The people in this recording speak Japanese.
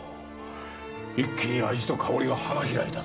一気に味と香りが花開いたぞ。